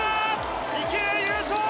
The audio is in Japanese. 池江、優勝！